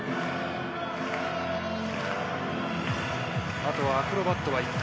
あとはアクロバットは１回。